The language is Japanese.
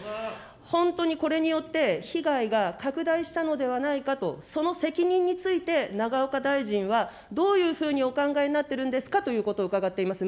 本当にこれによって、被害が拡大したのではないかと、その責任について永岡大臣は、どういうふうにお考えになってるんですかということを伺っています。